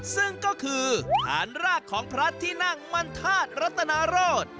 ซึ่งก็คือฐานรากของพระที่นั่งมันธาตุรัตนาโรธ